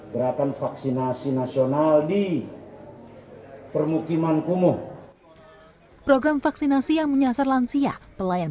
gerakan vaksinasi nasional di permukiman kumuh program vaksinasi yang menyasar lansia pelayan